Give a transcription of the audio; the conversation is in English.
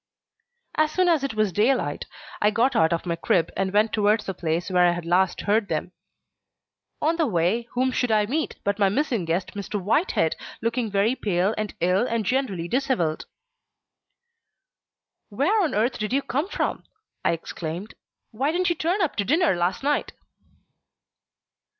As soon as it was daylight, I got out of my crib and went towards the place where I had last heard them. On the way, whom should I meet but my missing guest, Mr. Whitehead, looking very pale and ill, and generally dishevelled. "Where on earth have you come from?" I exclaimed. "Why didn't you turn up to dinner last night?"